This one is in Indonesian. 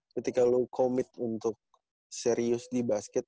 ketika lo komit untuk serius di basket